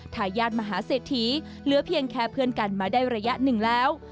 ทายาทมหาเศรษฐีเหลือเพียงแค่เพื่อนกันมาได้ระยะหนึ่งแล้ว